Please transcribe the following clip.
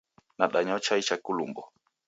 Nadanywa chai cha kilumbwa